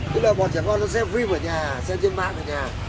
tức là bọn trẻ con nó xem phim ở nhà xem trên mạng ở nhà